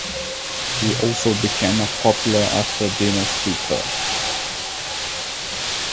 He also became a popular after-dinner speaker.